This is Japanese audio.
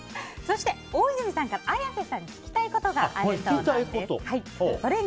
そして大泉さんから綾瀬さんに聞きたいことがあるそうです。